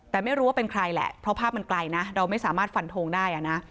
แต่ไม่รู้ว่าเป็นใครแหละเพราะภาพมันไกลนะเราไม่สามารถฟันทงได้นะ